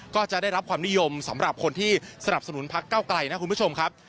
ก็จะได้รับความนิยมสำหรับคนที่สนับสนุนพักเก้าไกลนะคุณผู้ชมครับ